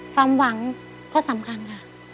ความหวังก็สำคัญค่ะ